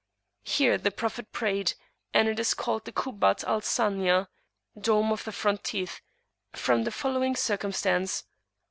Here the Prophet prayed, and it is called the Kubbat al Sanaya, "Dome of the Front Teeth," from the following circumstance.